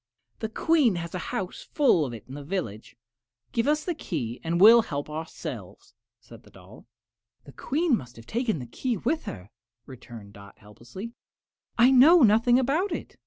"The Queen has a house full of it in the village. Give us the key and we will help ourselves," said the doll. "The Queen must have taken the key with her," returned Dot, helplessly; "I know nothing about it."